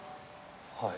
はい。